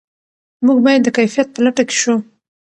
موږ باید د کیفیت په لټه کې شو.